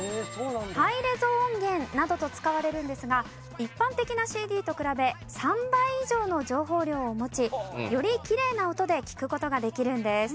「ハイレゾ音源」などと使われるんですが一般的なＣＤと比べ３倍以上の情報量を持ちよりきれいな音で聴く事ができるんです。